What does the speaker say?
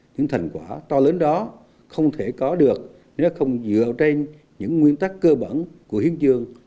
những thành quả to lớn đó không thể có được nếu không dựa trên những nguyên tắc cơ bẩn của hiến dương liên hợp quốc